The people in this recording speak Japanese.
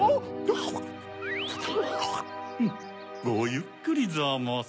フッごゆっくりざます。